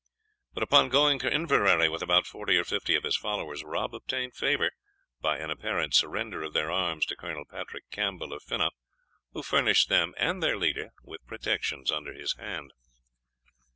But upon going to Inverary with about forty or fifty of his followers, Rob obtained favour, by an apparent surrender of their arms to Colonel Patrick Campbell of Finnah, who furnished them and their leader with protections under his hand.